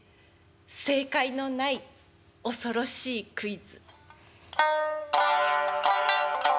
正解のない恐ろしいクイズ。